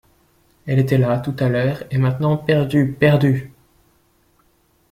Elle était là, tout à l’heure, et maintenant, perdue, perdue!